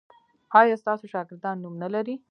ایا ستاسو شاګردان نوم نلري؟